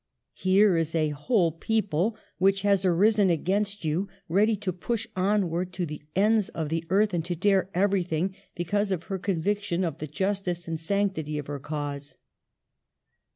Here is a whole people which has arisen against you, ready to push onward to the ends of the earth and to dare every thing, because of her conviction of the justice and sanctity of her cause.